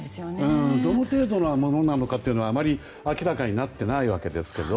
どの程度のものなのかというのはあまり明らかになってないわけですけど。